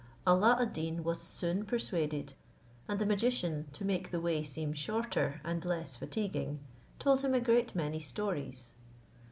Alla ad Deen was soon persuaded; and the magician, to make the way seem shorter and less fatiguing, told him a great many stories.